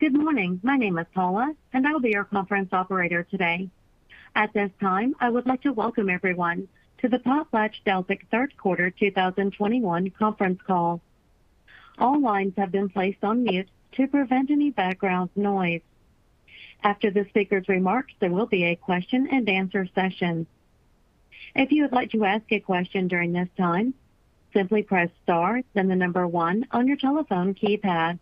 Good morning. My name is Paula, and I will be your conference operator today. At this time, I would like to welcome everyone to the PotlatchDeltic third quarter 2021 conference call. All lines have been placed on mute to prevent any background noise. After the speaker's remarks, there will be a question-and-answer session. If you would like to ask a question during this time, simply press star, then the number one on your telephone keypad.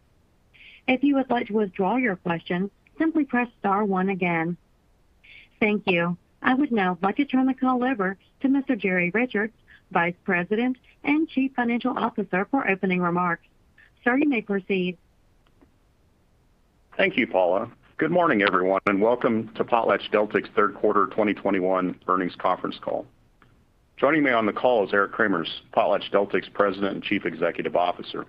If you would like to withdraw your question, simply press star one again. Thank you. I would now like to turn the call over to Mr. Jerry Richards, Vice President and Chief Financial Officer, for opening remarks. Sir, you may proceed. Thank you, Paula. Good morning, everyone, and welcome to PotlatchDeltic's third quarter 2021 earnings conference call. Joining me on the call is Eric Cremers, PotlatchDeltic's President and Chief Executive Officer.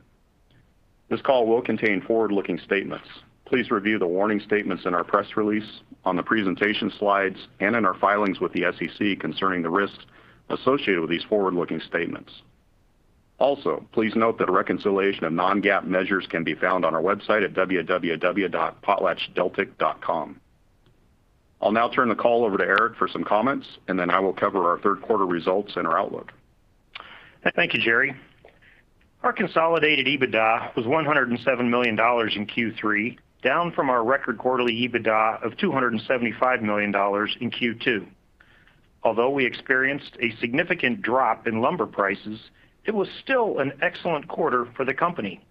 This call will contain forward-looking statements. Please review the warning statements in our press release, on the presentation slides, and in our filings with the SEC concerning the risks associated with these forward-looking statements. Also, please note that a reconciliation of non-GAAP measures can be found on our website at www.potlatchdeltic.com. I'll now turn the call over to Eric for some comments, and then I will cover our third quarter results and our outlook. Thank you, Jerry. Our consolidated EBITDA was $107 million in Q3, down from our record quarterly EBITDA of $275 million in Q2. Although we experienced a significant drop in lumber prices, it was still an excellent quarter for the company.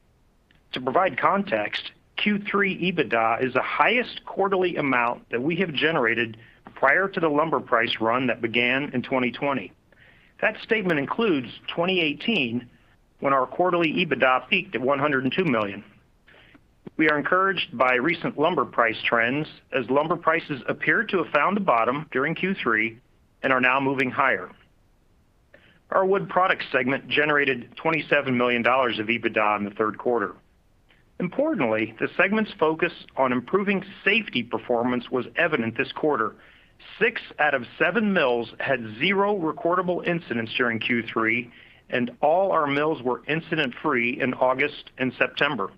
To provide context, Q3 EBITDA is the highest quarterly amount that we have generated prior to the lumber price run that began in 2020. That statement includes 2018, when our quarterly EBITDA peaked at $102 million. We are encouraged by recent lumber price trends as lumber prices appear to have found the bottom during Q3 and are now moving higher. Our Wood Products segment generated $27 million of EBITDA in the third quarter. Importantly, the segment's focus on improving safety performance was evident this quarter. Six out of seven mills had zero recordable incidents during Q3, and all our mills were incident-free in August and September.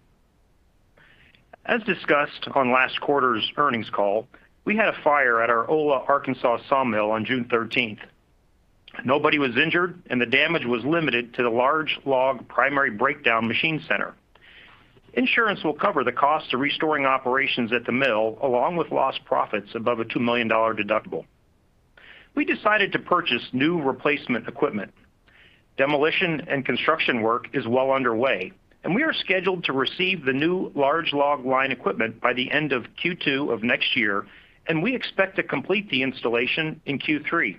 As discussed on last quarter's earnings call, we had a fire at our Ola, Arkansas sawmill on June 13th. Nobody was injured and the damage was limited to the large log primary breakdown machine center. Insurance will cover the cost of restoring operations at the mill, along with lost profits above a $2 million deductible. We decided to purchase new replacement equipment. Demolition and construction work is well underway, and we are scheduled to receive the new large log line equipment by the end of Q2 of next year, and we expect to complete the installation in Q3.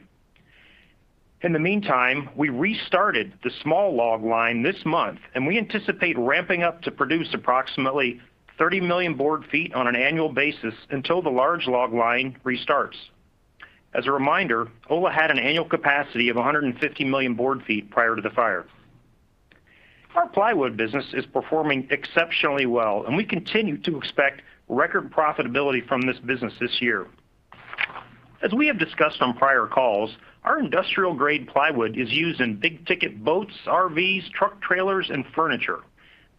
In the meantime, we restarted the small log line this month, and we anticipate ramping up to produce approximately 30 million board feet on an annual basis until the large log line restarts. As a reminder, Ola had an annual capacity of 150 million board feet prior to the fire. Our plywood business is performing exceptionally well, and we continue to expect record profitability from this business this year. As we have discussed on prior calls, our industrial-grade plywood is used in big-ticket boats, RVs, truck trailers, and furniture.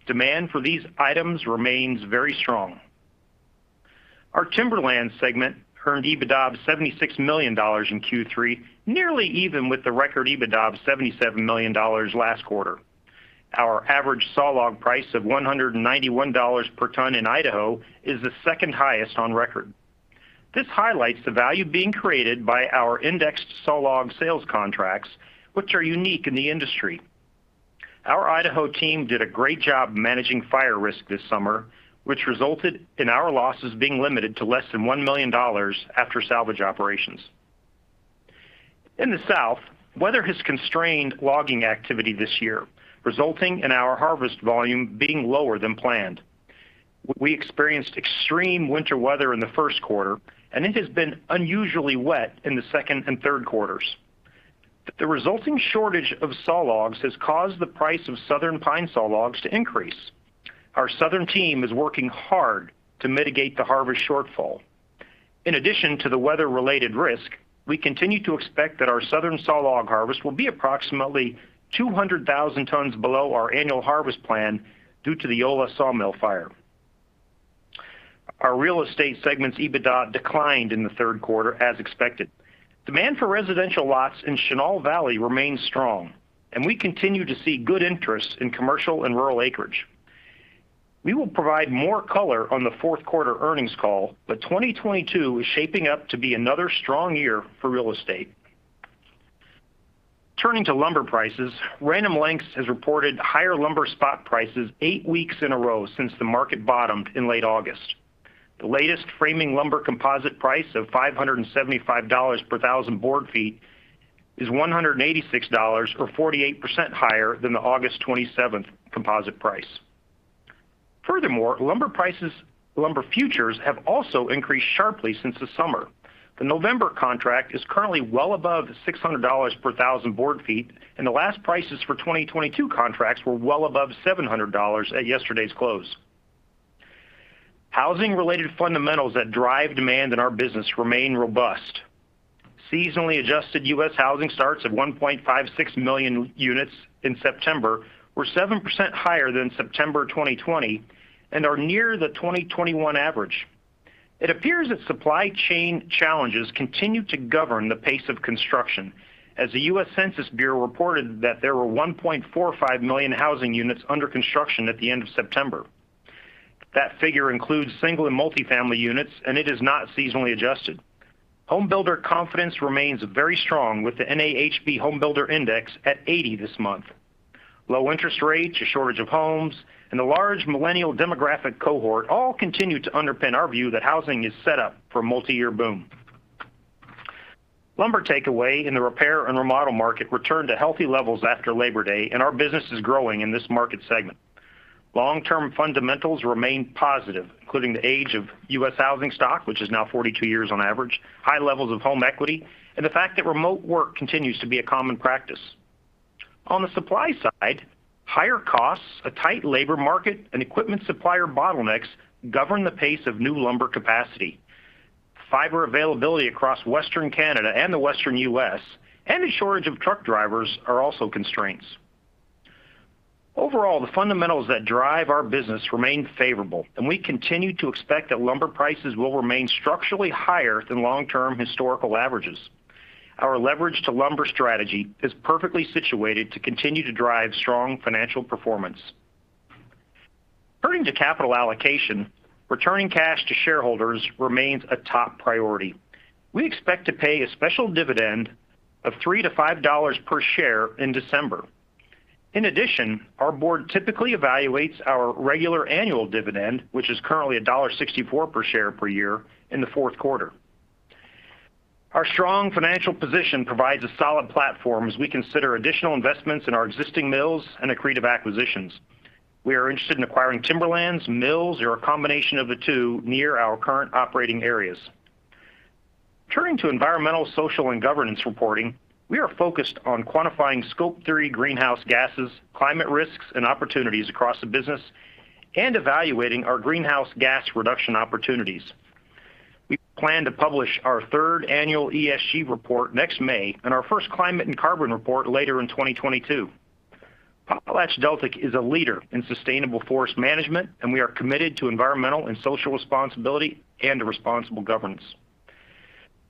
Demand for these items remains very strong. Our Timberland segment earned EBITDA of $76 million in Q3, nearly even with the record EBITDA of $77 million last quarter. Our average sawlog price of $191/ton in Idaho is the second-highest on record. This highlights the value being created by our indexed sawlog sales contracts, which are unique in the industry. Our Idaho team did a great job managing fire risk this summer, which resulted in our losses being limited to less than $1 million after salvage operations. In the South, weather has constrained logging activity this year, resulting in our harvest volume being lower than planned. We experienced extreme winter weather in the first quarter, and it has been unusually wet in the second and third quarters. The resulting shortage of sawlogs has caused the price of southern pine sawlogs to increase. Our southern team is working hard to mitigate the harvest shortfall. In addition to the weather-related risk, we continue to expect that our southern sawlog harvest will be approximately 200,000 tons below our annual harvest plan due to the Ola sawmill fire. Our Real Estate segment's EBITDA declined in the third quarter, as expected. Demand for residential lots in Chenal Valley remains strong, and we continue to see good interest in commercial and rural acreage. We will provide more color on the fourth quarter earnings call, but 2022 is shaping up to be another strong year for real estate. Turning to lumber prices, Random Lengths has reported higher lumber spot prices eight weeks in a row since the market bottomed in late August. The latest framing lumber composite price of $575 per thousand board feet is $186 or 48% higher than the August 27th composite price. Furthermore, lumber prices, lumber futures have also increased sharply since the summer. The November contract is currently well above $600 per thousand board feet, and the last prices for 2022 contracts were well above $700 at yesterday's close. Housing-related fundamentals that drive demand in our business remain robust. Seasonally adjusted U.S. housing starts of 1.56 million units in September were 7% higher than September 2020 and are near the 2021 average. It appears that supply chain challenges continue to govern the pace of construction, as the U.S. Census Bureau reported that there were 1.45 million housing units under construction at the end of September. That figure includes single and multi-family units, and it is not seasonally adjusted. Home builder confidence remains very strong with the NAHB Home Builder Index at 80 this month. Low interest rates, a shortage of homes, and the large millennial demographic cohort all continue to underpin our view that housing is set up for a multi-year boom. Lumber takeaway in the repair and remodel market returned to healthy levels after Labor Day, and our business is growing in this market segment. Long-term fundamentals remain positive, including the age of U.S. housing stock, which is now 42 years on average, high levels of home equity, and the fact that remote work continues to be a common practice. On the supply side, higher costs, a tight labor market, and equipment supplier bottlenecks govern the pace of new lumber capacity. Fiber availability across Western Canada and the Western U.S. and a shortage of truck drivers are also constraints. Overall, the fundamentals that drive our business remain favorable, and we continue to expect that lumber prices will remain structurally higher than long-term historical averages. Our leverage to lumber strategy is perfectly situated to continue to drive strong financial performance. Turning to capital allocation, returning cash to shareholders remains a top priority. We expect to pay a special dividend of $3-$5 per share in December. In addition, our board typically evaluates our regular annual dividend, which is currently $1.64 per share per year in the fourth quarter. Our strong financial position provides a solid platform as we consider additional investments in our existing mills and accretive acquisitions. We are interested in acquiring timberlands, mills, or a combination of the two near our current operating areas. Turning to environmental, social, and governance reporting, we are focused on quantifying Scope 3 greenhouse gases, climate risks, and opportunities across the business, and evaluating our greenhouse gas reduction opportunities. We plan to publish our third annual ESG report next May and our first climate and carbon report later in 2022. PotlatchDeltic is a leader in sustainable forest management, and we are committed to environmental and social responsibility and a responsible governance.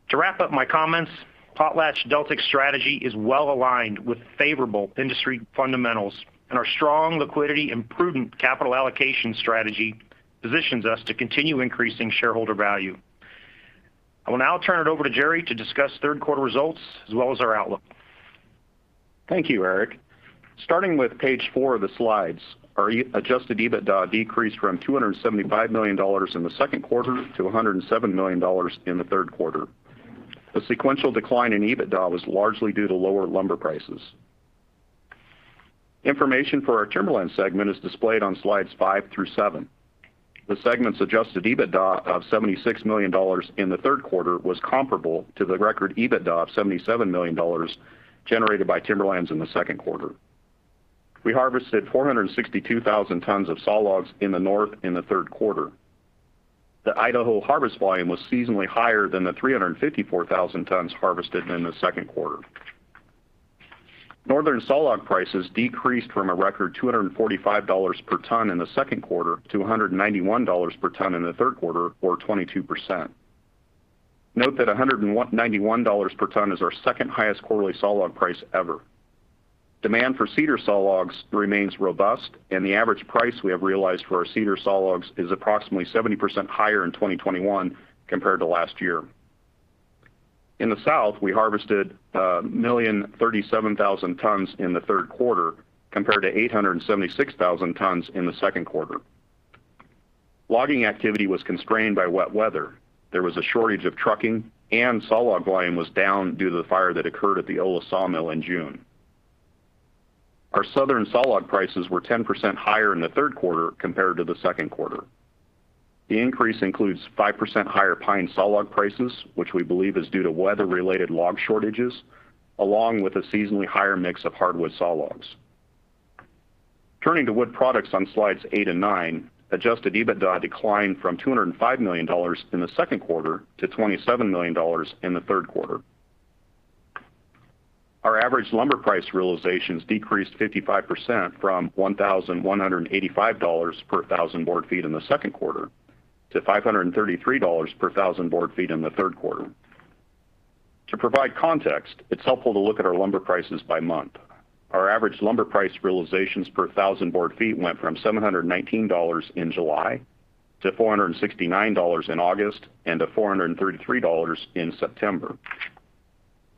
To wrap up my comments, PotlatchDeltic's strategy is well-aligned with favorable industry fundamentals, and our strong liquidity and prudent capital allocation strategy positions us to continue increasing shareholder value. I will now turn it over to Jerry to discuss third quarter results as well as our outlook. Thank you, Eric. Starting with page four of the slides, our adjusted EBITDA decreased from $275 million in the second quarter to $107 million in the third quarter. The sequential decline in EBITDA was largely due to lower lumber prices. Information for our Timberlands segment is displayed on slides five through seven. The segment's adjusted EBITDA of $76 million in the third quarter was comparable to the record EBITDA of $77 million generated by Timberlands in the second quarter. We harvested 462,000 tons of sawlogs in the North in the third quarter. The Idaho harvest volume was seasonally higher than the 354,000 tons harvested in the second quarter. Northern sawlog prices decreased from a record $245/ton in the second quarter to $191/ton in the third quarter, or 22%. Note that $191/ton is our second-highest quarterly sawlog price ever. Demand for cedar sawlogs remains robust, and the average price we have realized for our cedar sawlogs is approximately 70% higher in 2021 compared to last year. In the South, we harvested 1,037,000 tons in the third quarter compared to 876,000 tons in the second quarter. Logging activity was constrained by wet weather. There was a shortage of trucking, and sawlog volume was down due to the fire that occurred at the Ola sawmill in June. Our Southern sawlog prices were 10% higher in the third quarter compared to the second quarter. The increase includes 5% higher pine sawlog prices, which we believe is due to weather-related log shortages, along with a seasonally higher mix of hardwood sawlogs. Turning to Wood Products on slides eight and nine, adjusted EBITDA declined from $205 million in the second quarter to $27 million in the third quarter. Our average lumber price realizations decreased 55% from $1,185 per thousand board feet in the second quarter to $533 per thousand board feet in the third quarter. To provide context, it's helpful to look at our lumber prices by month. Our average lumber price realizations per thousand board feet went from $719 in July to $469 in August and to $433 in September.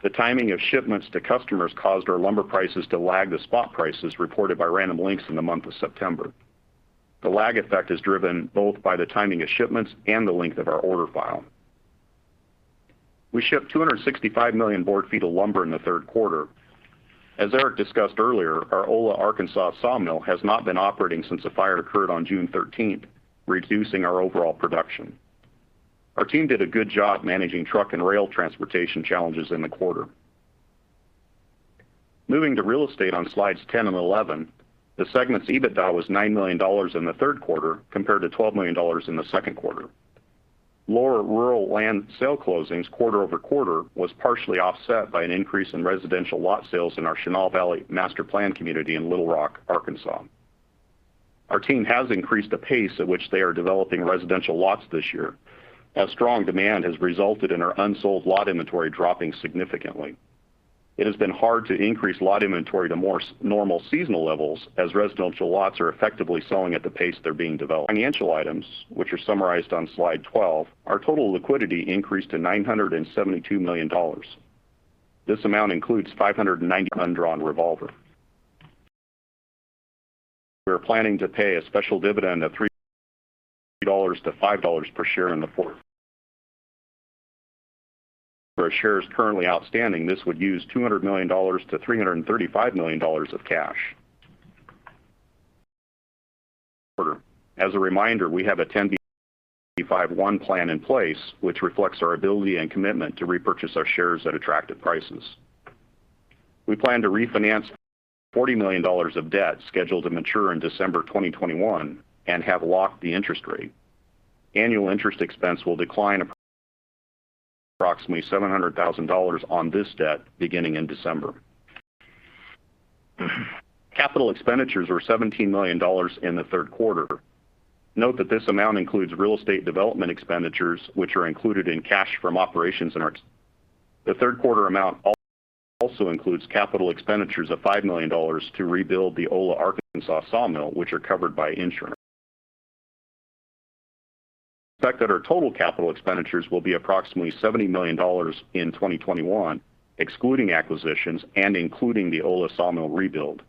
The timing of shipments to customers caused our lumber prices to lag the spot prices reported by Random Lengths in the month of September. The lag effect is driven both by the timing of shipments and the length of our order file. We shipped 265 million board feet of lumber in the third quarter. As Eric discussed earlier, our Ola, Arkansas sawmill has not been operating since a fire occurred on June 13, reducing our overall production. Our team did a good job managing truck and rail transportation challenges in the quarter. Moving to real estate on slides 10 and 11, the segment's EBITDA was $9 million in the third quarter compared to $12 million in the second quarter. Lower rural land sale closings quarter-over-quarter was partially offset by an increase in residential lot sales in our Chenal Valley Master Plan community in Little Rock, Arkansas. Our team has increased the pace at which they are developing residential lots this year, as strong demand has resulted in our unsold lot inventory dropping significantly. It has been hard to increase lot inventory to more normal seasonal levels as residential lots are effectively selling at the pace they're being developed. Financial items, which are summarized on slide 12. Our total liquidity increased to $972 million. This amount includes $590 million undrawn revolver. We're planning to pay a special dividend of $3-$5 per share in the fourth. For our shares currently outstanding, this would use $200 million-$335 million of cash. As a reminder, we have a 10b5-1 plan in place, which reflects our ability and commitment to repurchase our shares at attractive prices. We plan to refinance $40 million of debt scheduled to mature in December 2021 and have locked the interest rate. Annual interest expense will decline approximately $700,000 on this debt beginning in December. Capital expenditures were $17 million in the third quarter. Note that this amount includes real estate development expenditures, which are included in cash from operations in our. The third quarter amount also includes capital expenditures of $5 million to rebuild the Ola, Arkansas sawmill, which are covered by insurance. Expect that our total capital expenditures will be approximately $70 million in 2021, excluding acquisitions and including the Ola sawmill rebuild.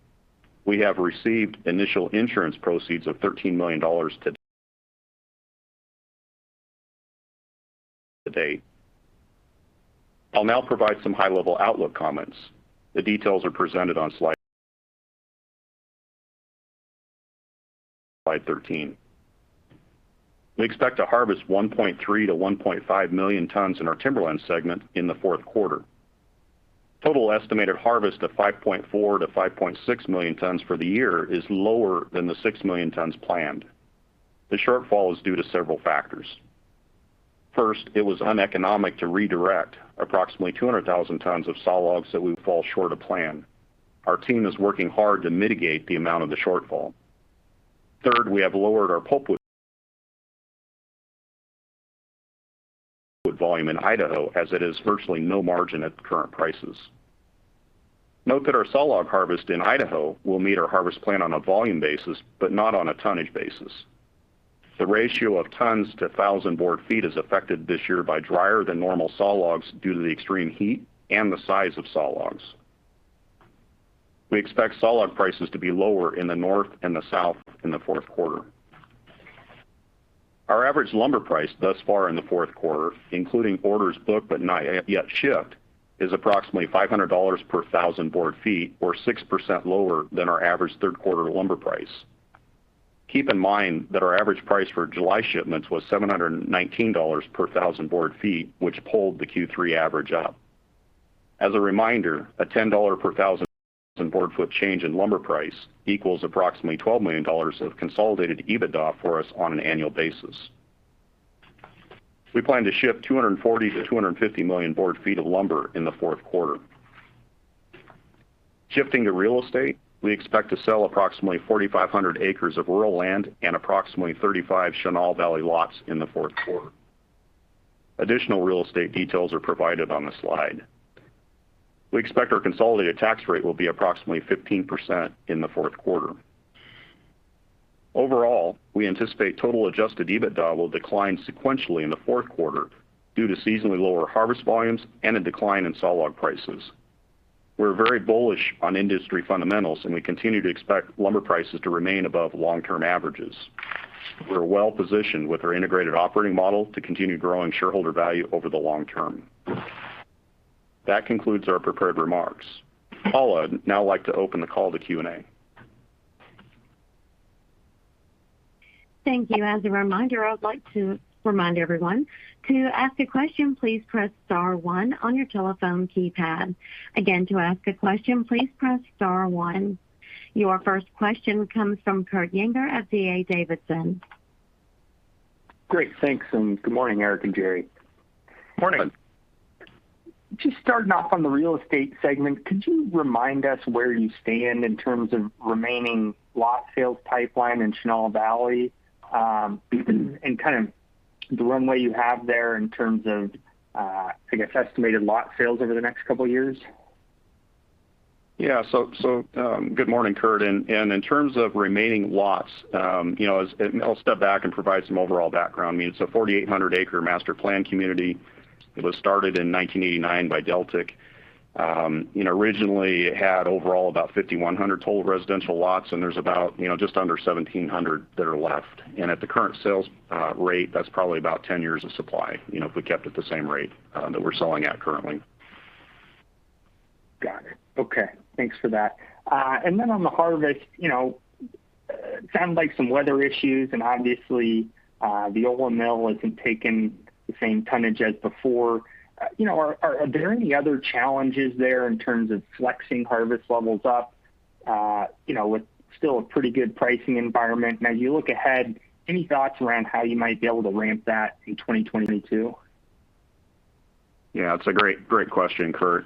We have received initial insurance proceeds of $13 million to date. I'll now provide some high-level outlook comments. The details are presented on slide 13. We expect to harvest 1.3 million tons to 1.5 million tons in our Timberland segment in the fourth quarter. Total estimated harvest of 5.4 million tons to 5.6 million tons for the year is lower than the 6 million tons planned. The shortfall is due to several factors. First, it was uneconomic to redirect approximately 200,000 tons of sawlogs that we fall short of plan. Our team is working hard to mitigate the amount of the shortfall. Third, we have lowered our pulpwood volume in Idaho as it is virtually no margin at the current prices. Note that our sawlog harvest in Idaho will meet our harvest plan on a volume basis, but not on a tonnage basis. The ratio of tons to thousand board feet is affected this year by drier than normal sawlogs due to the extreme heat and the size of sawlogs. We expect sawlog prices to be lower in the north and the south in the fourth quarter. Our average lumber price thus far in the fourth quarter, including orders booked but not yet shipped, is approximately $500 per thousand board feet or 6% lower than our average third quarter lumber price. Keep in mind that our average price for July shipments was $719 per thousand board feet, which pulled the Q3 average up. As a reminder, a $10 per thousand board foot change in lumber price equals approximately $12 million of consolidated EBITDA for us on an annual basis. We plan to ship 240 million-250 million board feet of lumber in the fourth quarter. Shifting to real estate, we expect to sell approximately 4,500 acres of rural land and approximately 35 Chenal Valley lots in the fourth quarter. Additional real estate details are provided on the slide. We expect our consolidated tax rate will be approximately 15% in the fourth quarter. Overall, we anticipate total adjusted EBITDA will decline sequentially in the fourth quarter due to seasonally lower harvest volumes and a decline in sawlog prices. We're very bullish on industry fundamentals, and we continue to expect lumber prices to remain above long-term averages. We're well-positioned with our integrated operating model to continue growing shareholder value over the long term. That concludes our prepared remarks. Paula, I'd now like to open the call to Q&A. Thank you. As a reminder, I would like to remind everyone, to ask a question, please press star one on your telephone keypad. Again, to ask a question, please press star one. Your first question comes from Kurt Yinger at D.A. Davidson. Great. Thanks. Good morning, Eric and Jerry. Morning. Just starting off on the real estate segment, could you remind us where you stand in terms of remaining lot sales pipeline in Chenal Valley, and kind of the runway you have there in terms of, I guess, estimated lot sales over the next couple of years? Good morning, Kurt. In terms of remaining lots, you know, I'll step back and provide some overall background. I mean, it's a 4,800-acre master plan community. It was started in 1989 by Deltic. Originally, it had overall about 5,100 total residential lots, and there's about, you know, just under 1,700 that are left. At the current sales rate, that's probably about 10 years of supply, you know, if we kept at the same rate that we're selling at currently. Got it. Okay. Thanks for that. On the harvest, you know. It sounded like some weather issues, and obviously, the Ola mill isn't taking the same tonnage as before. You know, are there any other challenges there in terms of flexing harvest levels up, you know, with still a pretty good pricing environment? Now you look ahead, any thoughts around how you might be able to ramp that in 2022? Yeah, it's a great question, Kurt.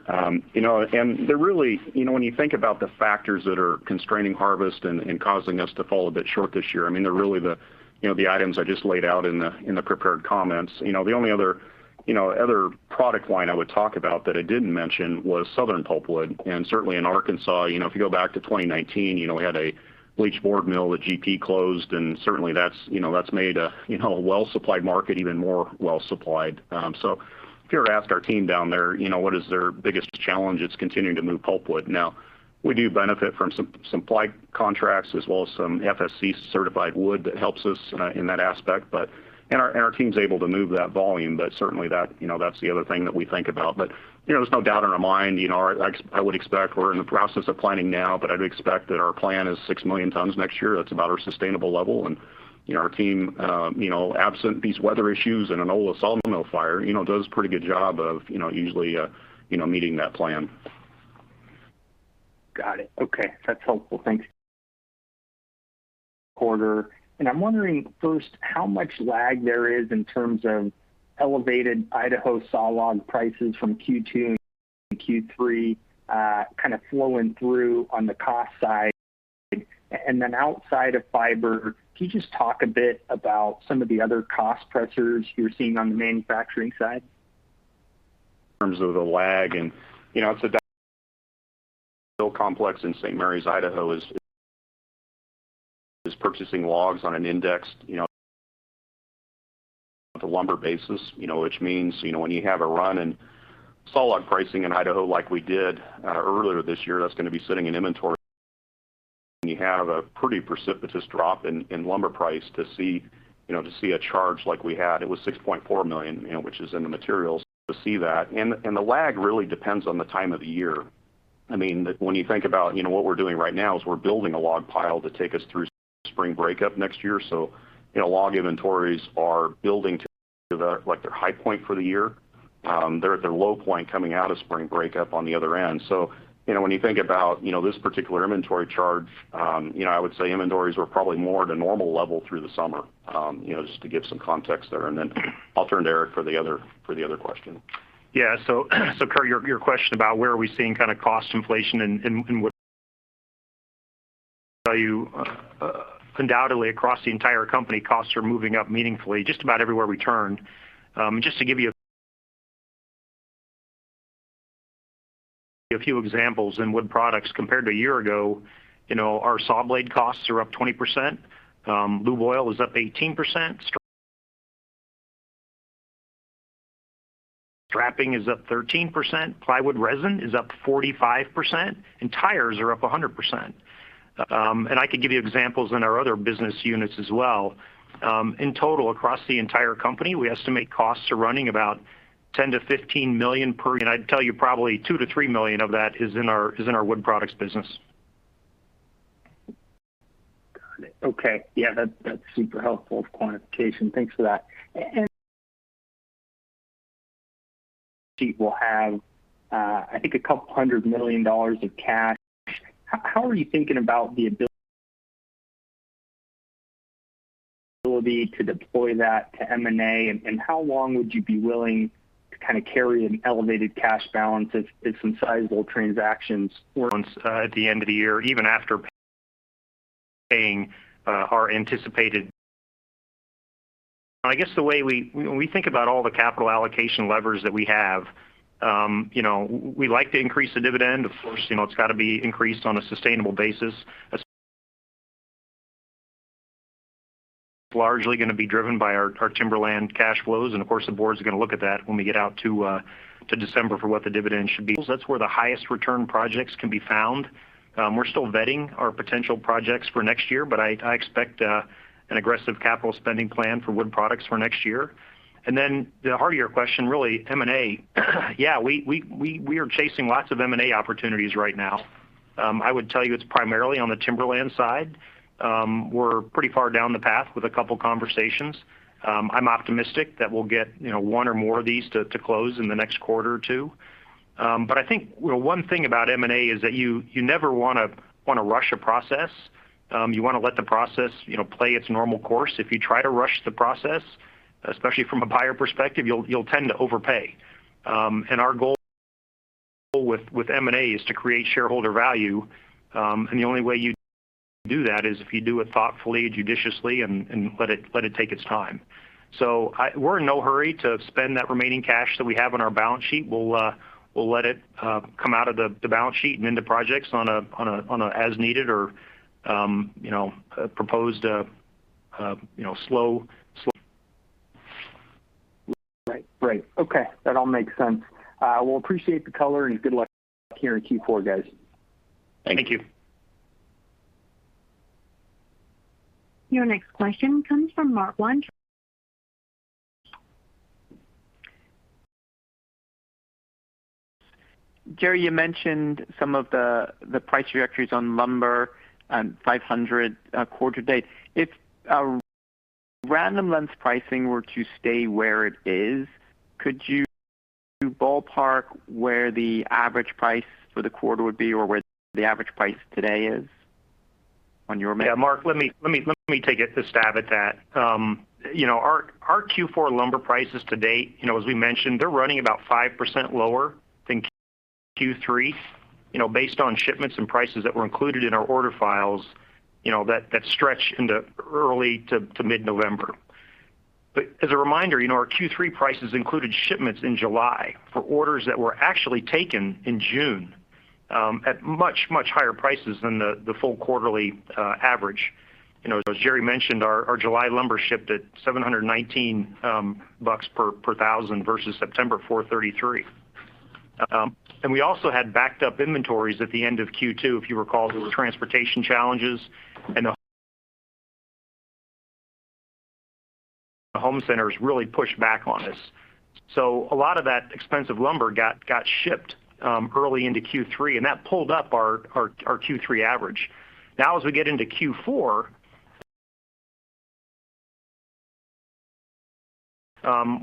You know, and there really, you know, when you think about the factors that are constraining harvest and causing us to fall a bit short this year, I mean, they're really the, you know, the items I just laid out in the prepared comments. You know, the only other, you know, other product line I would talk about that I didn't mention was southern pulpwood. Certainly in Arkansas, you know, if you go back to 2019, you know, we had a bleached board mill that GP closed, and certainly that's, you know, that's made a, you know, a well-supplied market even more well-supplied. If you ever asked our team down there, you know, what is their biggest challenge, it's continuing to move pulpwood. Now, we do benefit from some supplied contracts as well as some FSC-certified wood that helps us in that aspect. Our team's able to move that volume, but certainly that, you know, that's the other thing that we think about. You know, there's no doubt in our mind. You know, I would expect we're in the process of planning now, but I'd expect that our plan is 6 million tons next year. That's about our sustainable level. You know, our team, you know, absent these weather issues and an Ola sawmill fire, you know, does a pretty good job of, you know, usually, you know, meeting that plan. Got it. Okay. That's helpful. Thanks. Quarter, and I'm wondering first how much lag there is in terms of elevated Idaho saw log prices from Q2 and Q3, kind of flowing through on the cost side. And then outside of fiber, can you just talk a bit about some of the other cost pressures you're seeing on the manufacturing side? In terms of the lag, you know, it's a complex in St. Maries, Idaho, is purchasing logs on an indexed, you know, to lumber basis, you know, which means, you know, when you have a run in saw log pricing in Idaho like we did earlier this year, that's gonna be sitting in inventory. You have a pretty precipitous drop in lumber price to see a charge like we had. It was $6.4 million, you know, which is in the materials to see that. The lag really depends on the time of the year. I mean, when you think about, you know, what we're doing right now is we're building a log pile to take us through spring breakup next year. You know, log inventories are building to, like, their high point for the year. They're at their low point coming out of spring breakup on the other end. You know, when you think about, you know, this particular inventory charge, you know, I would say inventories were probably more at a normal level through the summer, you know, just to give some context there. Then I'll turn to Eric for the other question. Yeah. Kurt, your question about where we are seeing kinda cost inflation and to tell you, undoubtedly across the entire company, costs are moving up meaningfully just about everywhere we turn. Just to give you a few examples in Wood Products, compared to a year ago, you know, our saw blade costs are up 20%, lube oil is up 18%. Strapping is up 13%, plywood resin is up 45%, and tires are up 100%. And I could give you examples in our other business units as well. In total, across the entire company, we estimate costs are running about $10 million-$15 million per year, and I'd tell you probably $2 million-$3 million of that is in our Wood Products business. Got it. Okay. Yeah, that's super helpful quantification. Thanks for that. Balance sheet will have, I think $200 million of cash. How are you thinking about the ability to deploy that to M&A, and how long would you be willing to kinda carry an elevated cash balance if some sizable transactions were- At the end of the year, even after paying our anticipated I guess the way we think about all the capital allocation levers that we have, you know, we like to increase the dividend. Of course, you know, it's gotta be increased on a sustainable basis. It's largely gonna be driven by our timberland cash flows, and of course, the board's gonna look at that when we get out to December for what the dividend should be. That's where the highest return projects can be found. We're still vetting our potential projects for next year, but I expect an aggressive capital spending plan for Wood Products for next year. Then the heart of your question, really M&A. Yeah, we are chasing lots of M&A opportunities right now. I would tell you it's primarily on the timberland side. We're pretty far down the path with a couple conversations. I'm optimistic that we'll get, you know, one or more of these to close in the next quarter or two. I think one thing about M&A is that you never wanna rush a process. You wanna let the process, you know, play its normal course. If you try to rush the process, especially from a buyer perspective, you'll tend to overpay. Our goal with M&A is to create shareholder value, and the only way you do that is if you do it thoughtfully, judiciously and let it take its time. We're in no hurry to spend that remaining cash that we have on our balance sheet. We'll let it come out of the balance sheet and into projects on a as needed or you know a proposed slow. Right. Okay. That all makes sense. Well, I appreciate the color, and good luck here in Q4, guys. Thank you. Thank you. Your next question comes from Mark Weintraub. Jerry, you mentioned some of the price trajectories on lumber and $500 Q4 to date. If Random Lengths pricing were to stay where it is, could you ballpark where the average price for the quarter would be or where the average price today is on your- Yeah, Mark, let me take a stab at that. You know, our Q4 lumber prices to date, you know, as we mentioned, they're running about 5% lower than Q3, you know, based on shipments and prices that were included in our order files, you know, that stretch into early to mid-November. But as a reminder, you know, our Q3 prices included shipments in July for orders that were actually taken in June at much higher prices than the full quarterly average. You know, as Jerry mentioned, our July lumber shipped at $719 per thousand versus September $433. And we also had backed up inventories at the end of Q2. If you recall, there were transportation challenges, and the home centers really pushed back on us. A lot of that expensive lumber got shipped early into Q3, and that pulled up our Q3 average. As we get into Q4,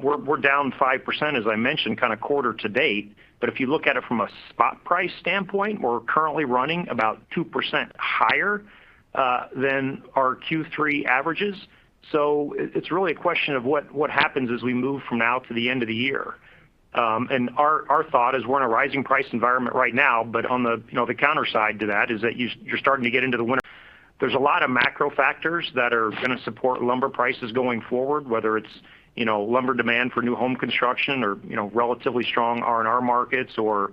we're down 5%, as I mentioned, kinda quarter to date. If you look at it from a spot price standpoint, we're currently running about 2% higher than our Q3 averages. It's really a question of what happens as we move from now to the end of the year. Our thought is we're in a rising price environment right now, but on the counter side to that, you know, is that you're starting to get into the winter. There's a lot of macro factors that are gonna support lumber prices going forward, whether it's, you know, lumber demand for new home construction or, you know, relatively strong R&R markets or,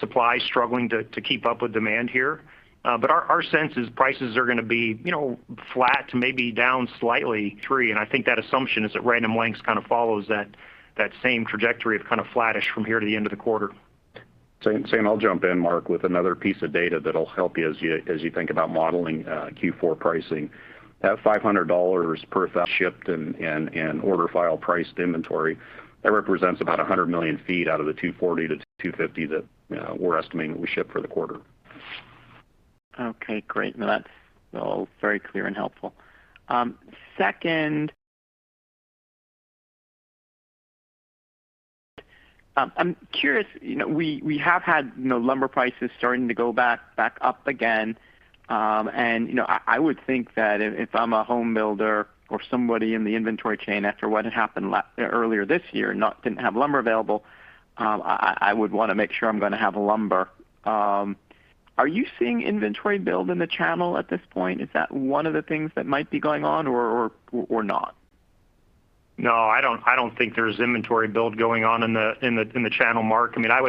supply struggling to keep up with demand here. Our sense is prices are gonna be, you know, flat to maybe down slightly 3%, and I think that assumption is that Random Lengths kind of follows that same trajectory of kind of flattish from here to the end of the quarter. Same, I'll jump in, Mark, with another piece of data that'll help you as you think about modeling Q4 pricing. That $500 per thou shipped and order file-priced inventory represents about 100 million ft out of the 240 to 250 that we're estimating that we ship for the quarter. Okay, great. No, that's all very clear and helpful. Second, I'm curious, you know, we have had, you know, lumber prices starting to go back up again, and, you know, I would think that if I'm a home builder or somebody in the inventory chain after what had happened earlier this year, didn't have lumber available, I would wanna make sure I'm gonna have lumber. Are you seeing inventory build in the channel at this point? Is that one of the things that might be going on or not? No, I don't think there's inventory build going on in the channel, Mark. I mean, I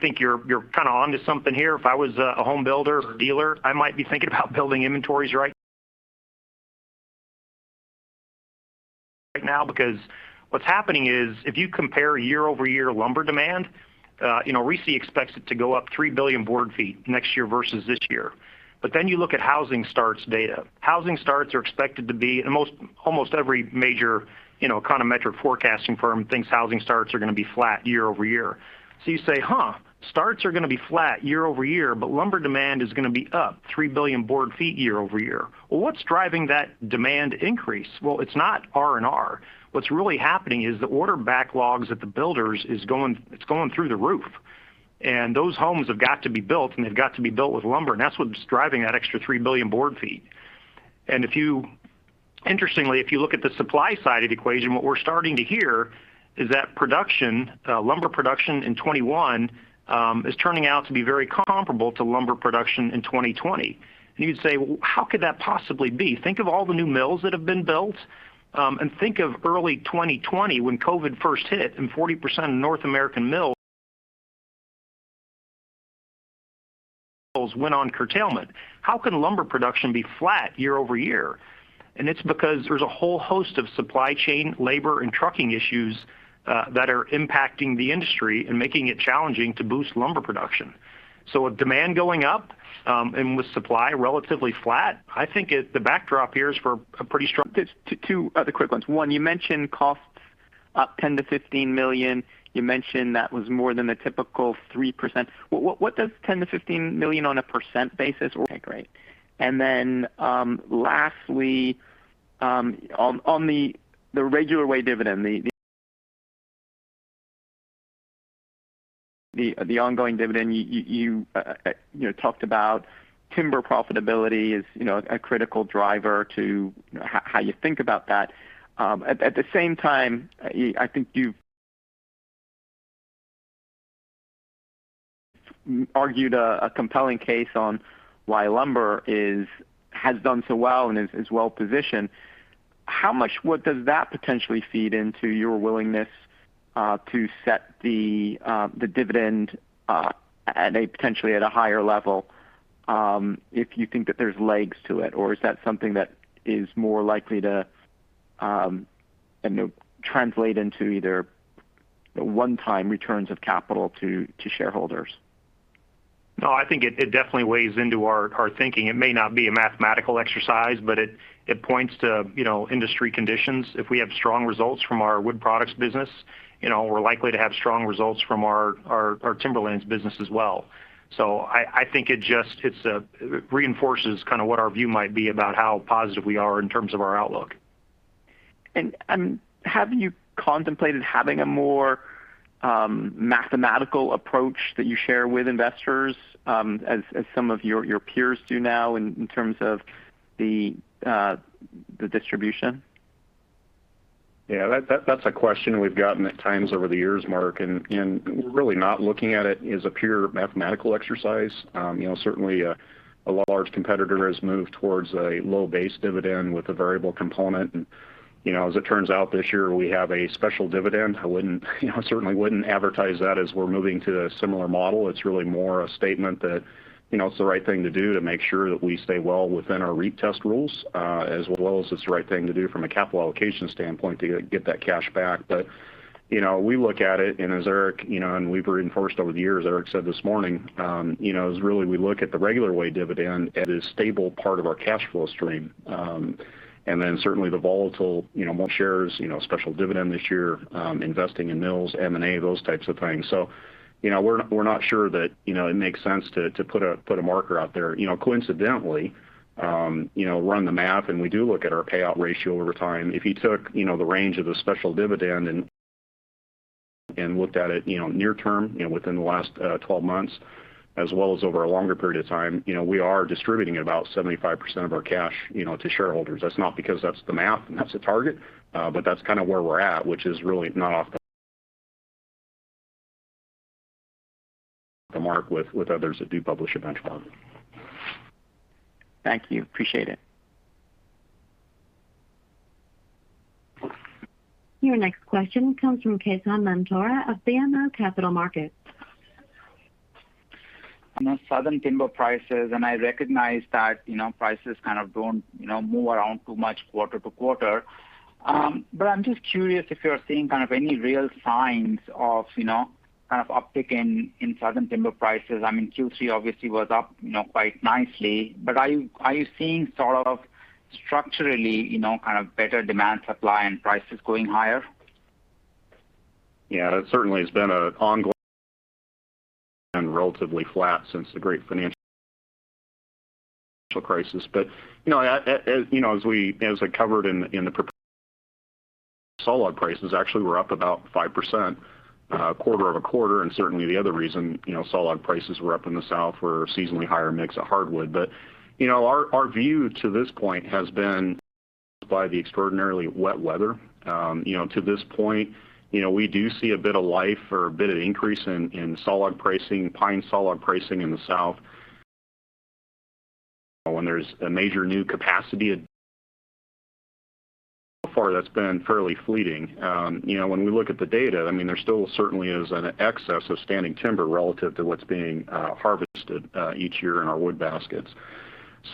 think you're kinda onto something here. If I was a home builder or dealer, I might be thinking about building inventories right now because what's happening is, if you compare year-over-year lumber demand, you know, RISI expects it to go up 3 billion board feet next year versus this year. You look at housing starts data. Housing starts are expected to be most almost every major, you know, econometric forecasting firm thinks housing starts are gonna be flat year-over-year. You say, "Huh, starts are gonna be flat year-over-year, but lumber demand is gonna be up 3 billion board feet year-over-year. Well, what's driving that demand increase?" It's not R&R. What's really happening is the order backlogs at the builders is going through the roof, and those homes have got to be built, and they've got to be built with lumber, and that's what's driving that extra 3 billion board feet. Interestingly, if you look at the supply side of the equation, what we're starting to hear is that production, lumber production in 2021 is turning out to be very comparable to lumber production in 2020. You'd say, "Well, how could that possibly be?" Think of all the new mills that have been built, and think of early 2020 when COVID first hit and 40% of North American mills went on curtailment. How can lumber production be flat year-over-year? It's because there's a whole host of supply chain, labor, and trucking issues that are impacting the industry and making it challenging to boost lumber production. With demand going up, and with supply relatively flat, I think the backdrop here is for a pretty strong- Just two other quick ones. One, you mentioned costs up $10 million-$15 million. You mentioned that was more than the typical 3%. What does $10 million-$15 million on a percent basis? Okay, great. Lastly, on the regular way dividend, the ongoing dividend, you know talked about timber profitability as, you know, a critical driver to, you know, how you think about that. At the same time, I think you've argued a compelling case on why lumber has done so well and is well-positioned. How much does that potentially feed into your willingness to set the dividend at a potentially higher level, if you think that there's legs to it? Is that something that is more likely to, you know, translate into either one-time returns of capital to shareholders? No, I think it definitely weighs into our thinking. It may not be a mathematical exercise, but it points to, you know, industry conditions. If we have strong results from our wood products business, you know, we're likely to have strong results from our timberlands business as well. I think it reinforces kind of what our view might be about how positive we are in terms of our outlook. Have you contemplated having a more mathematical approach that you share with investors, as some of your peers do now in terms of the distribution? Yeah, that's a question we've gotten at times over the years, Mark, and we're really not looking at it as a pure mathematical exercise. You know, certainly, a large competitor has moved towards a low base dividend with a variable component. You know, as it turns out, this year we have a special dividend. I wouldn't, you know, certainly wouldn't advertise that as we're moving to a similar model. It's really more a statement that, you know, it's the right thing to do to make sure that we stay well within our REIT test rules, as well as it's the right thing to do from a capital allocation standpoint to get that cash back. You know, we look at it, and as Eric, you know, and we've reinforced over the years, Eric said this morning, you know, we really look at the regular way dividend as a stable part of our cash flow stream. Certainly the volatility, you know, more shares, you know, special dividend this year, investing in mills, M&A, those types of things. You know, we're not sure that, you know, it makes sense to put a marker out there. You know, coincidentally, you know, run the math, and we do look at our payout ratio over time. If you took, you know, the range of the special dividend and looked at it, you know, near term, you know, within the last 12 months as well as over a longer period of time, you know, we are distributing about 75% of our cash, you know, to shareholders. That's not because that's the math and that's the target, but that's kind of where we're at, which is really not off the mark with others that do publish a benchmark. Thank you. Appreciate it. Your next question comes from Ketan Mamtora of BMO Capital Markets. On the southern timber prices, and I recognize that, you know, prices kind of don't, you know, move around too much quarter-to-quarter. I'm just curious if you're seeing kind of any real signs of, you know, kind of uptick in southern timber prices. I mean, Q3 obviously was up, you know, quite nicely. Are you seeing sort of structurally, you know, kind of better demand supply and prices going higher? Yeah. It certainly has been an ongoing relatively flat since the Great Financial Crisis. You know, as I covered in the saw log prices actually were up about 5%, quarter-over-quarter, and certainly the other reason, you know, saw log prices were up in the South were seasonally higher mix of hardwood. You know, our view to this point has been by the extraordinarily wet weather. You know, to this point, you know, we do see a bit of life or a bit of increase in saw log pricing, pine saw log pricing in the South. When there's a major new capacity. So far that's been fairly fleeting. You know, when we look at the data, I mean, there still certainly is an excess of standing timber relative to what's being harvested each year in our wood baskets.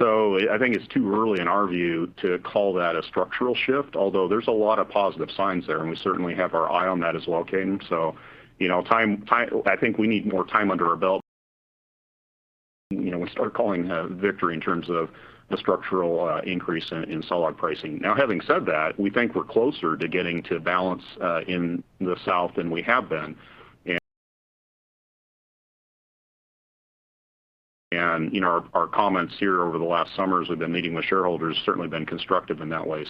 I think it's too early in our view to call that a structural shift, although there's a lot of positive signs there, and we certainly have our eye on that as well, Ketan. You know, time I think we need more time under our belt, you know, we start calling a victory in terms of the structural increase in saw log pricing. Now having said that, we think we're closer to getting to balance in the South than we have been. You know, our comments here over the last summers we've been meeting with shareholders certainly been constructive in that way.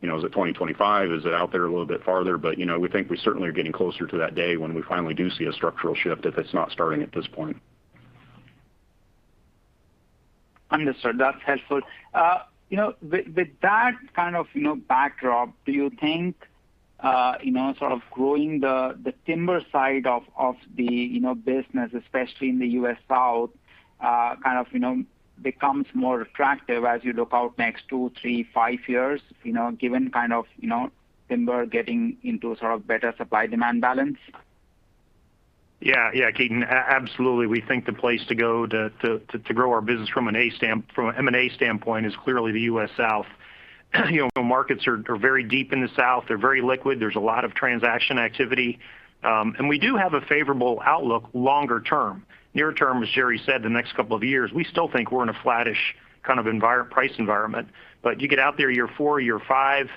You know, is it 2025? Is it out there a little bit farther? You know, we think we certainly are getting closer to that day when we finally do see a structural shift, if it's not starting at this point. Understood. That's helpful. You know, with that kind of backdrop, do you think you know, sort of growing the timber side of the business, especially in the U.S. South, kind of becomes more attractive as you look out next two, three, five years, you know, given kind of timber getting into sort of better supply-demand balance? Yeah. Yeah. Ketan, absolutely, we think the place to go to to grow our business from an M&A standpoint is clearly the U.S. South. You know, markets are very deep in the South. They're very liquid. There's a lot of transaction activity. And we do have a favorable outlook longer term. Near term, as Jerry said, the next couple of years, we still think we're in a flattish kind of price environment. But you get out there year four, year five,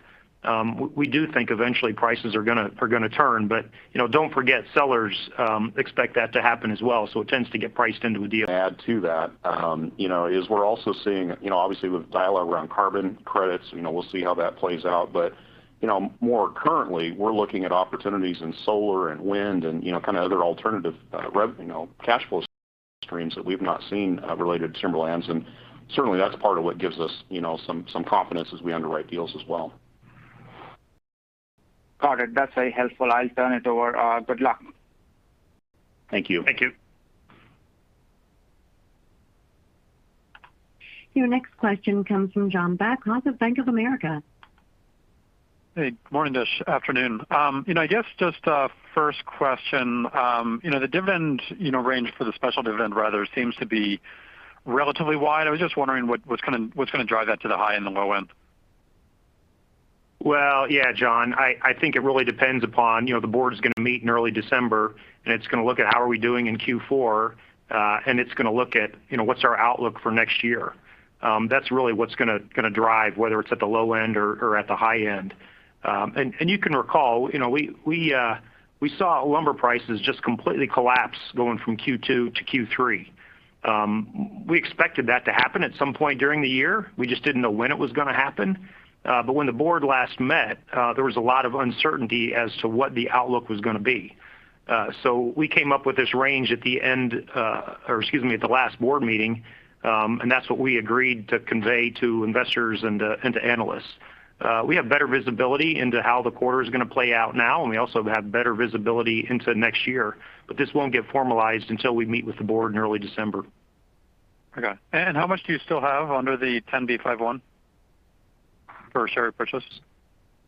we do think eventually prices are gonna turn. But, you know, don't forget, sellers expect that to happen as well, so it tends to get priced into a deal. Add to that, you know, we're also seeing, you know, obviously with dialogue around carbon credits, you know, we'll see how that plays out. You know, more currently, we're looking at opportunities in solar and wind and, you know, kind of other alternative you know, cash flow streams that we've not seen related to timberlands. Certainly that's part of what gives us, you know, some confidence as we underwrite deals as well. Got it. That's very helpful. I'll turn it over. Good luck. Thank you. Thank you. Your next question comes from John Babcock of Bank of America. Hey, morning-ish. Afternoon. You know, I guess just a first question. You know, the dividend, you know, range for the special dividend rather seems to be relatively wide. I was just wondering what's gonna drive that to the high and the low end? Well, yeah, John, I think it really depends upon, you know, the board is gonna meet in early December, and it's gonna look at how are we doing in Q4, and it's gonna look at, you know, what's our outlook for next year. That's really what's gonna drive whether it's at the low end or at the high end. You can recall, you know, we saw lumber prices just completely collapse going from Q2 to Q3. We expected that to happen at some point during the year. We just didn't know when it was gonna happen. When the board last met, there was a lot of uncertainty as to what the outlook was gonna be. We came up with this range at the last board meeting, and that's what we agreed to convey to investors and to analysts. We have better visibility into how the quarter is gonna play out now, and we also have better visibility into next year, but this won't get formalized until we meet with the board in early December. Okay. How much do you still have under the 10b5-1 for share repurchases?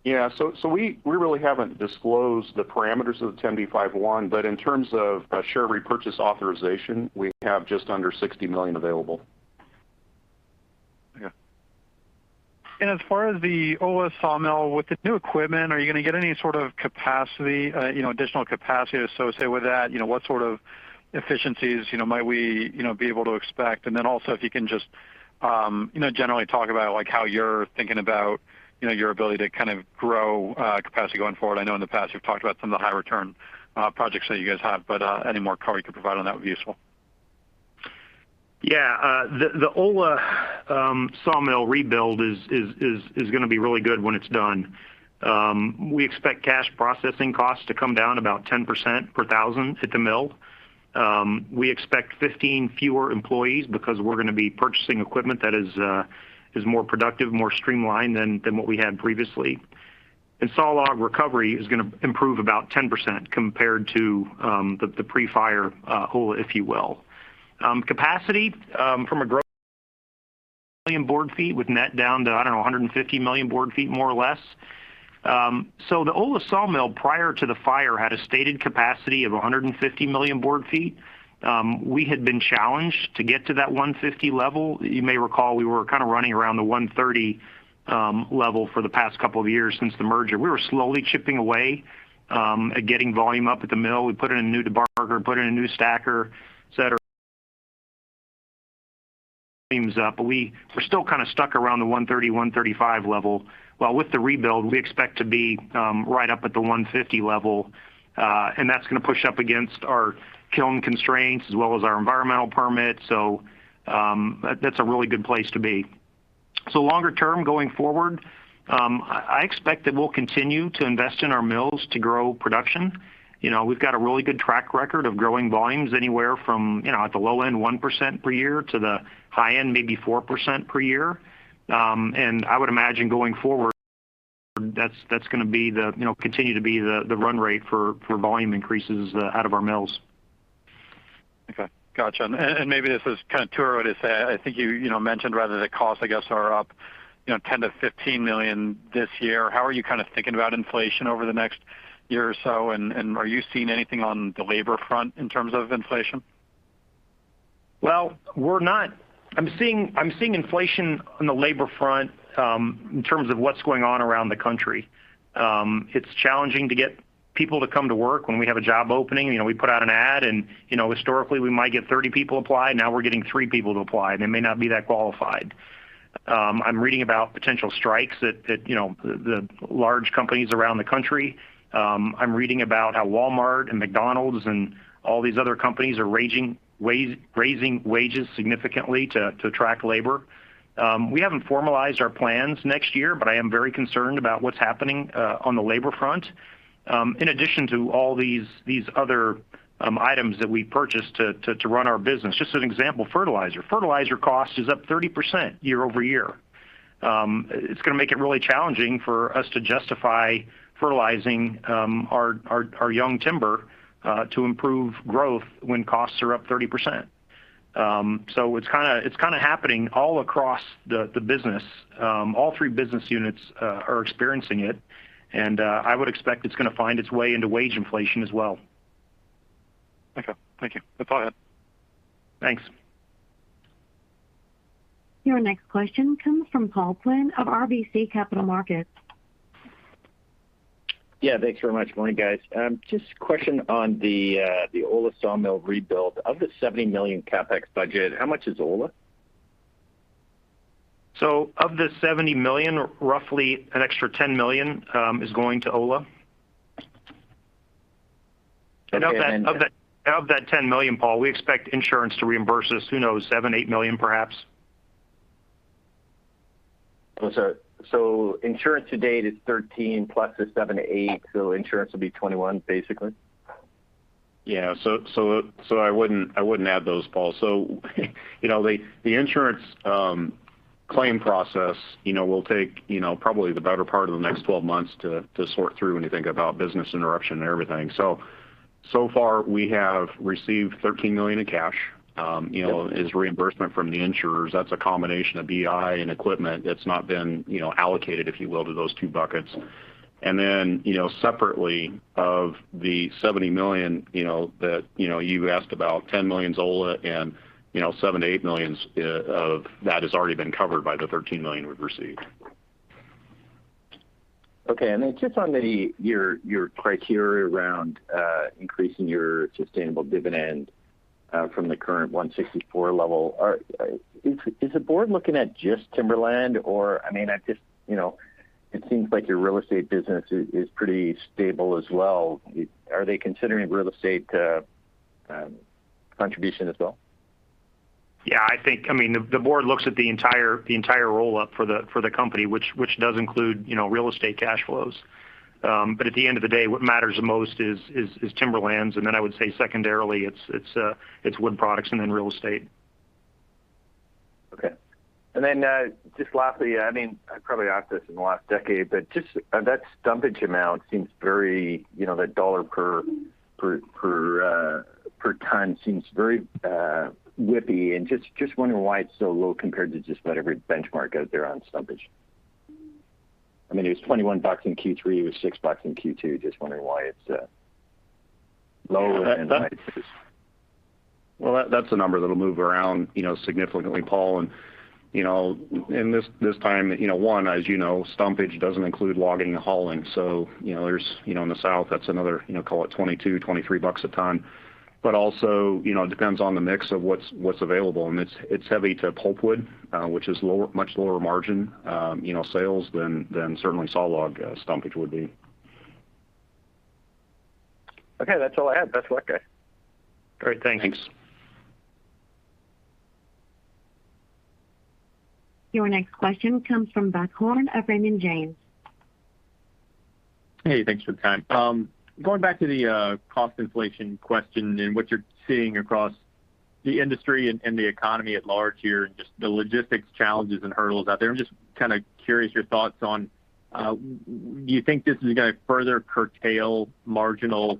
Yeah. We really haven't disclosed the parameters of the 10b5-1, but in terms of share repurchase authorization, we have just under $60 million available. Okay. As far as the Ola sawmill, with the new equipment, are you gonna get any sort of capacity, you know, additional capacity associated with that? You know, what sort of efficiencies, you know, might we, you know, be able to expect? And then also, if you can just, you know, generally talk about, like, how you're thinking about, you know, your ability to kind of grow, capacity going forward. I know in the past you've talked about some of the high return, projects that you guys have, but, any more color you could provide on that would be useful. Yeah. The Ola sawmill rebuild is gonna be really good when it's done. We expect cash processing costs to come down about 10% per thousand at the mill. We expect 15 fewer employees because we're gonna be purchasing equipment that is more productive, more streamlined than what we had previously. Sawlog recovery is gonna improve about 10% compared to the pre-fire Ola, if you will. Capacity from 200 million board feet with net down to, I don't know, 150 million board feet, more or less. The Ola sawmill prior to the fire had a stated capacity of 150 million board feet. We had been challenged to get to that 150 level. You may recall we were kinda running around the 130 level for the past couple of years since the merger. We were slowly chipping away at getting volume up at the mill. We put in a new debarker, put in a new stacker, et cetera. But we were still kinda stuck around the 130, 135 level, while with the rebuild we expect to be right up at the 150 level. That's gonna push up against our kiln constraints as well as our environmental permit, so that's a really good place to be. Longer term going forward, I expect that we'll continue to invest in our mills to grow production. You know, we've got a really good track record of growing volumes anywhere from, you know, at the low end 1% per year to the high end, maybe 4% per year. I would imagine going forward, that's gonna continue to be the run rate for volume increases out of our mills. Okay. Gotcha. Maybe this is kinda too early to say. I think you know, mentioned rather the costs, I guess, are up $10 million-$15 million this year. How are you kind of thinking about inflation over the next year or so? Are you seeing anything on the labor front in terms of inflation? Well, we're not. I'm seeing inflation on the labor front in terms of what's going on around the country. It's challenging to get people to come to work when we have a job opening. You know, we put out an ad and, you know, historically we might get 30 people apply. Now we're getting three people to apply, and they may not be that qualified. I'm reading about potential strikes at you know the large companies around the country. I'm reading about how Walmart and McDonald's and all these other companies are raising wages significantly to attract labor. We haven't formalized our plans next year, but I am very concerned about what's happening on the labor front in addition to all these other items that we purchased to run our business. Just as an example, fertilizer cost is up 30% year-over-year. It's gonna make it really challenging for us to justify fertilizing our young timber to improve growth when costs are up 30%. It's kinda happening all across the business. All three business units are experiencing it, and I would expect it's gonna find its way into wage inflation as well. Okay. Thank you. That's all I had. Thanks. Your next question comes from Paul Quinn of RBC Capital Markets. Yeah. Thanks very much. Morning, guys. Just a question on the Ola sawmill rebuild. Of the $70 million CapEx budget, how much is Ola? Of the $70 million, roughly an extra $10 million, is going to Ola. Okay. Of that $10 million, Paul, we expect insurance to reimburse us, who knows, $7 million-$8 million perhaps. Insurance to date is $13+ the $7-$8, so insurance will be $21, basically? I wouldn't add those, Paul. You know, the insurance claim process, you know, will take, you know, probably the better part of the next 12 months to sort through when you think about business interruption and everything. So far we have received $13 million in cash, you know, as reimbursement from the insurers. That's a combination of BI and equipment that's not been, you know, allocated, if you will, to those two buckets. Then, you know, separately of the $70 million, you know, that, you know, you asked about $10 million Ola and, you know, $7 million-$8 million of that has already been covered by the $13 million we've received. Okay. Just on your criteria around increasing your sustainable dividend from the current 164 level. Is the board looking at just timberland or, I mean, I just, you know, it seems like your real estate business is pretty stable as well. Are they considering real estate contribution as well? Yeah, I think, I mean, the board looks at the entire roll-up for the company, which does include, you know, real estate cash flows. At the end of the day, what matters the most is timberlands, and then I would say secondarily, it's wood products and then real estate. Okay. Just lastly, I mean, I probably asked this in the last decade, but just that stumpage amount seems very, you know, the dollar per ton seems very whippy. Just wondering why it's so low compared to just about every benchmark out there on stumpage. I mean, it was $21 in Q3, it was $6 in Q2. Just wondering why it's low. Well, that's a number that'll move around, you know, significantly, Paul. You know, this time, as you know, stumpage doesn't include logging and hauling. So, you know, there is, you know, in the south, that's another, you know, call it $22-$23 a ton. But also, you know, it depends on the mix of what's available, and it's heavy to pulpwood, which is much lower margin, you know, sales than certainly saw log stumpage would be. Okay, that's all I had. Best of luck, guys. Great. Thanks. Thanks. Your next question comes from Buck Horne of Raymond James. Hey, thanks for the time. Going back to the cost inflation question and what you're seeing across the industry and the economy at large here, and just the logistics challenges and hurdles out there. I'm just kinda curious your thoughts on, do you think this is gonna further curtail marginal,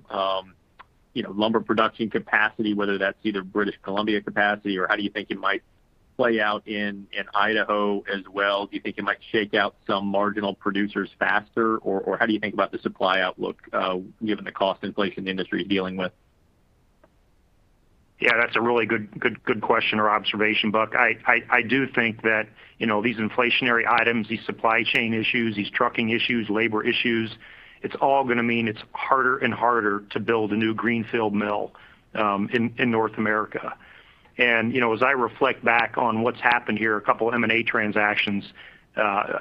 you know, lumber production capacity, whether that's either British Columbia capacity, or how do you think it might play out in Idaho as well? Do you think it might shake out some marginal producers faster? Or how do you think about the supply outlook, given the cost inflation the industry is dealing with? Yeah, that's a really good question or observation, Buck. I do think that, you know, these inflationary items, these supply chain issues, these trucking issues, labor issues, it's all gonna mean it's harder and harder to build a new greenfield mill in North America. You know, as I reflect back on what's happened here, a couple M&A transactions,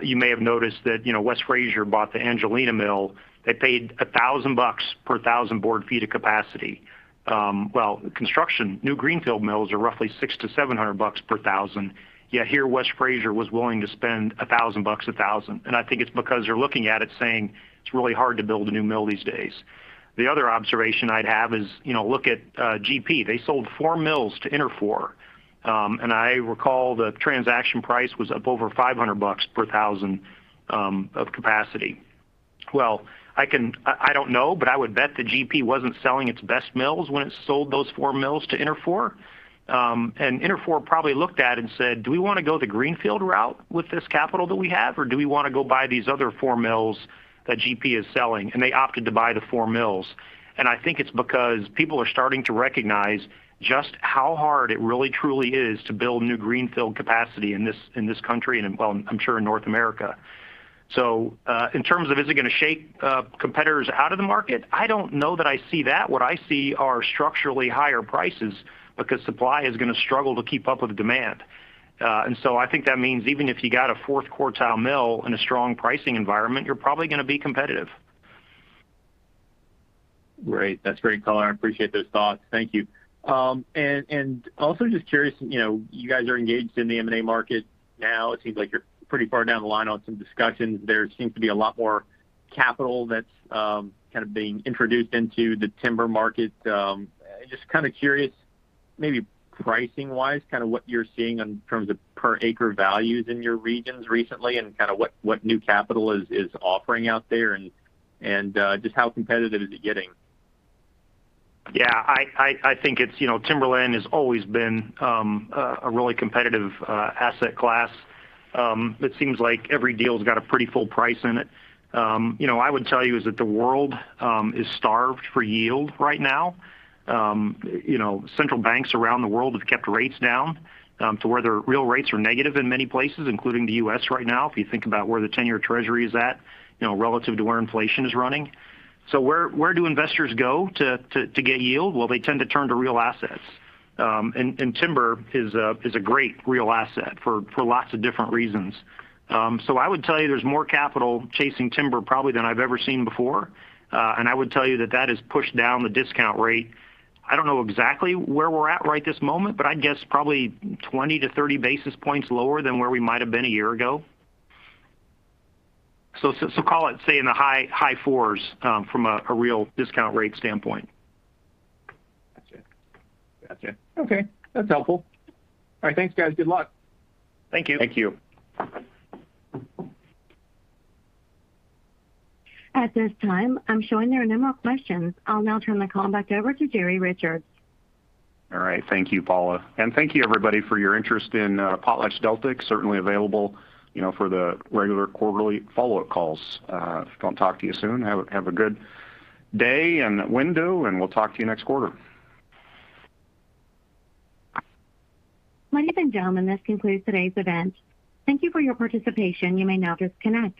you may have noticed that, you know, West Fraser bought the Angelina Mill. They paid $1,000 per thousand board feet of capacity. Well, construction, new greenfield mills are roughly $600-$700 per thousand, yet here West Fraser was willing to spend $1,000 a thousand. I think it's because they're looking at it saying it's really hard to build a new mill these days. The other observation I'd have is, you know, look at GP. They sold four mills to Interfor. I recall the transaction price was up over $500 per thousand of capacity. Well, I don't know, but I would bet that GP wasn't selling its best mills when it sold those four mills to Interfor. Interfor probably looked at and said, "Do we wanna go the greenfield route with this capital that we have, or do we wanna go buy these other four mills that GP is selling?" They opted to buy the four mills. I think it's because people are starting to recognize just how hard it really truly is to build new greenfield capacity in this country and, well, I'm sure in North America. In terms of is it gonna shake competitors out of the market, I don't know that I see that. What I see are structurally higher prices because supply is gonna struggle to keep up with demand. I think that means even if you got a fourth quartile mill in a strong pricing environment, you're probably gonna be competitive. Great. That's great color. I appreciate those thoughts. Thank you. Also just curious, you know, you guys are engaged in the M&A market now. It seems like you're pretty far down the line on some discussions. There seems to be a lot more capital that's kind of being introduced into the timber market. Just kinda curious, maybe pricing-wise, kinda what you're seeing in terms of per acre values in your regions recently, and kinda what new capital is offering out there, and just how competitive is it getting? Yeah, I think it's, you know, timberland has always been a really competitive asset class. It seems like every deal's got a pretty full price in it. You know, I would tell you is that the world is starved for yield right now. You know, central banks around the world have kept rates down to where their real rates are negative in many places, including the U.S. right now, if you think about where the 10-year treasury is at, you know, relative to where inflation is running. Where do investors go to get yield? Well, they tend to turn to real assets. Timber is a great real asset for lots of different reasons. I would tell you there's more capital chasing timber probably than I've ever seen before. I would tell you that that has pushed down the discount rate. I don't know exactly where we're at right this moment, but I'd guess probably 20 to 30 basis points lower than where we might have been a year ago. Call it, say, in the high fours from a real discount rate standpoint. Gotcha. Okay. That's helpful. All right. Thanks, guys. Good luck. Thank you. Thank you. At this time, I'm showing there are no more questions. I'll now turn the call back over to Jerry Richards. All right. Thank you, Paula. Thank you, everybody, for your interest in PotlatchDeltic. Certainly available, you know, for the regular quarterly follow-up calls. If I don't talk to you soon, have a good day and weekend, and we'll talk to you next quarter. Ladies and gentlemen, this concludes today's event. Thank you for your participation. You may now disconnect.